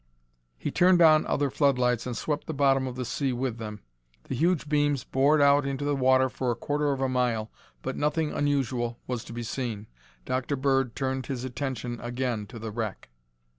He turned on other flood lights and swept the bottom of the sea with them. The huge beams bored out into the water for a quarter of a mile, but nothing unusual was to be seen. Dr. Bird turned his attention again to the wreck.